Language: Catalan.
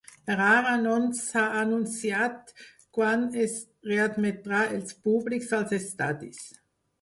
Per ara, no s’ha anunciat quan es readmetrà el públic als estadis.